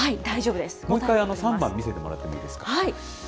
もう一回、３番見せてもらってもいいですか。